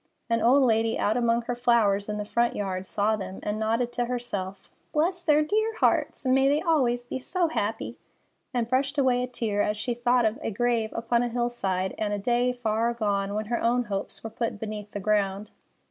An old lady out among her flowers in the front yard saw them, and nodded to herself: "Bless their dear hearts! May they always be so happy!" and brushed away a tear as she thought of a grave upon a hillside, and a day far agone when her own hopes were put beneath the ground.